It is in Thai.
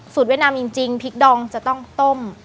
เวียดนามจริงพริกดองจะต้องต้ม